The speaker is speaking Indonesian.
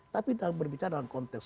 tapi dalam konteks